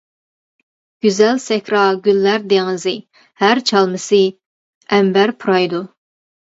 گۈزەل سەھرا گۈللەر دېڭىزى، ھەر چالمىسى ئەنبەر پۇرايدۇ.